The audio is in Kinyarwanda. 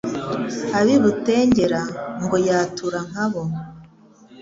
Ab’i Butengera ngo yatura nka bo